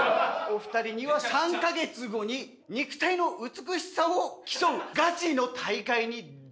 お二人には３カ月後に肉体の美しさを競うガチの大会に出ていただきます。